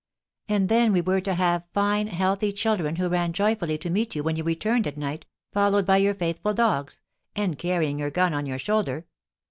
And then we were to have fine, healthy children who ran joyfully to meet you when you returned at night, followed by your faithful dogs, and carrying your gun on your shoulder.